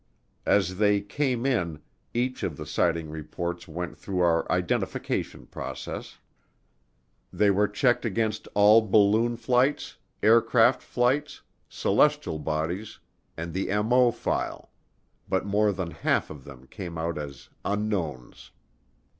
As they came in, each of the sighting reports went through our identification process; they were checked against all balloon flights, aircraft flights, celestial bodies, and the MO file, but more than half of them came out as unknowns.